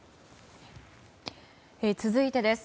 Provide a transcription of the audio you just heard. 続いてです。